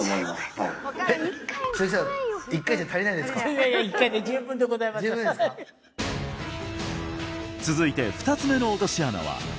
いやいや１回で十分でございます続いて２つ目の落とし穴は？